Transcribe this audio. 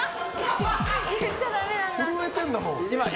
震えてるんだもん。